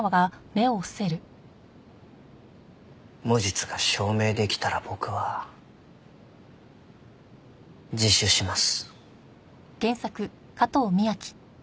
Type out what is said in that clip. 無実が証明できたら僕は自首します。